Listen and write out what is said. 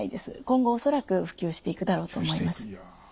今後恐らく普及していくだろうと思います。